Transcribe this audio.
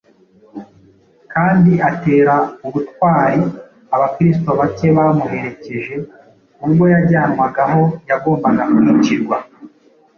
kandi atera ubutwari Abakristo bake bamuherekeje ubwo yajyanwaga aho yagombaga kwicirwa